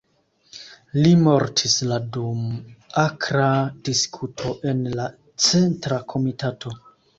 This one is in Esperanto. Li mortis la dum akra diskuto en la Centra Komitato.